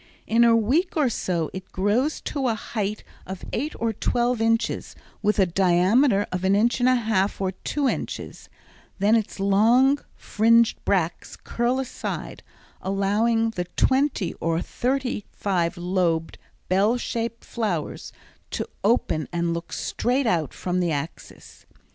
In a week or so it grows to a height of eight or twelve inches with a diameter of an inch and a half or two inches; then its long fringed bracts curl aside, allowing the twenty or thirty five lobed, bell shaped flowers to open and look straight out from the axis.